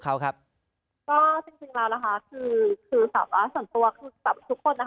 เขาครับก็ซึ่งเราแล้วค่ะคือสามารถส่วนตัวตัวทุกคน